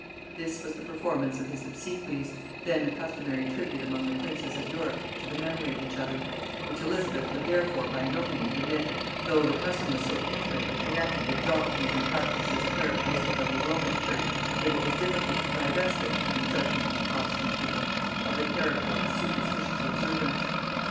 This was the performance of his obsequies, then a customary tribute among the princes of Europe to the memory of each other; which Elizabeth therefore would by no means omit, though the custom was so intimately connected with doctrines and practices characteristic of the Romish church, that it was difficult to divest it, in the judgement of a protestant people, of the character of a superstitious observance.